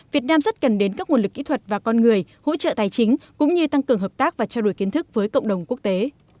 việt nam rất cần đến các nguồn lực kỹ thuật và con người hỗ trợ tài chính cũng như tăng cường hợp tác và trao đổi kiến thức với cộng đồng quốc tế